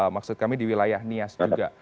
maksud kami di wilayah nias juga